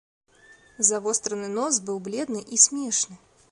Завостраны нос быў бледны і смешны.